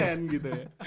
untuk konten gitu ya